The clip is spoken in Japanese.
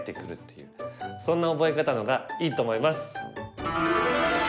そんな覚え方のがいいと思います！